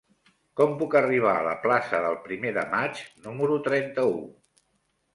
Com puc arribar a la plaça del Primer de Maig número trenta-u?